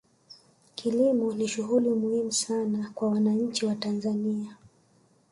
kilimo ni shughuli muhimu sana kwa wananchi wa tanzania